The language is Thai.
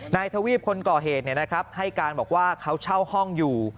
ทวีปคนก่อเหตุให้การบอกว่าเขาเช่าห้องอยู่